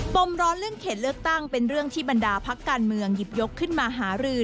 มร้อนเรื่องเขตเลือกตั้งเป็นเรื่องที่บรรดาพักการเมืองหยิบยกขึ้นมาหารือ